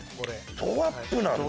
どアップなんだ。